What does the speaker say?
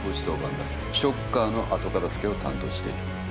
ショッカーの後片付けを担当している。